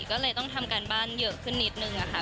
ก็เลยต้องทำการบ้านเยอะขึ้นนิดนึงค่ะ